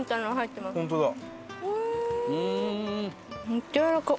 めっちゃやわらかい。